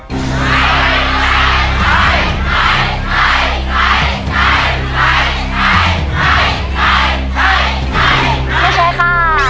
ใช้ใช้ใช้